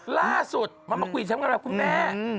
ล่าสุดมาคุยเที่ยวด้วยละครูแม่